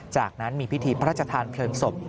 จากนั้นมีพิธีพระราชทานเพลิงศพ